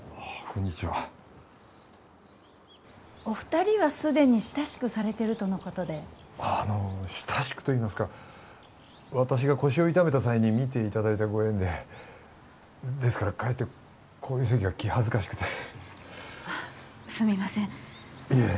こんにちはお二人はすでに親しくされてるとのことであの親しくといいますか私が腰を痛めた際に診ていただいたご縁でですからかえってこういう席は気恥ずかしくてあっすみませんいえ